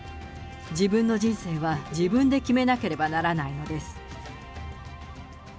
自分の人生は自分で決めなければならないのです。